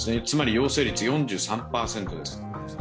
つまり陽性率４３％です。